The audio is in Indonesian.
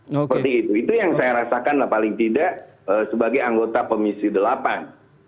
seperti itu itu yang saya rasakan paling tidak sebagai anggota komisi delapan